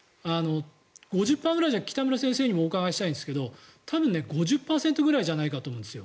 ５０％ぐらいじゃ北村先生にもお伺いしたいんですが多分５０％ぐらいじゃないかと思うんですよ。